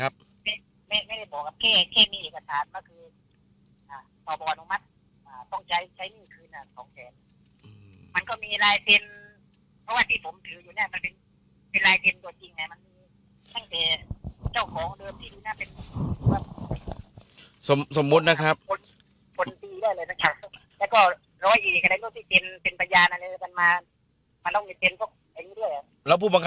ครับไม่ไม่ได้บอกกับเคแค่มีเอกสารแล้วคืออ่าปบะ